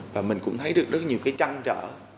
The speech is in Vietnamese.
và mình cũng thấy được rất là nhiều cái trăn trở